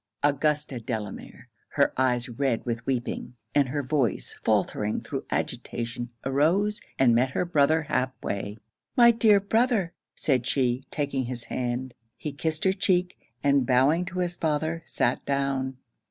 Augusta Delamere, her eyes red with weeping, and her voice faultering through agitation, arose, and met her brother half way. 'My dear brother!' said she, taking his hand. He kissed her cheek; and bowing to his father, sat down.